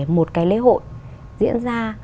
một cái lễ hội diễn ra